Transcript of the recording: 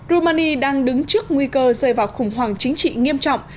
romani đang đứng trước nguy cơ rơi vào khủng hoảng chính trị nghiêm trọng